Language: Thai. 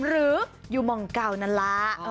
หรืออยู่มองเก่านั่นแหละ